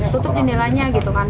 tutup jendelanya gitu kan